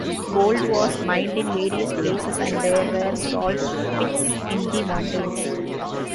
Gold was mined in various places and there were salt-pits in the mountains.